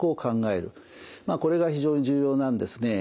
まあこれが非常に重要なんですね。